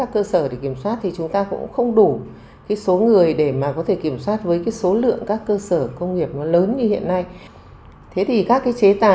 thế thì các chế tài đưa ra môi trường